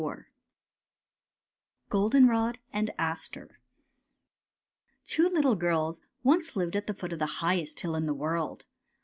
215 GOLDENROD AND ASTER Two little girls once lived at the foot of the highest hill in the world.